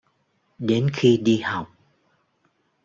Đến khi đi học